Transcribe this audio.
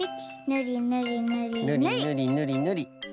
ぬりぬりぬりぬり。